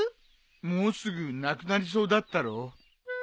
もうすぐなくなりそうだったろ？